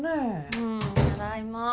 うんただいま。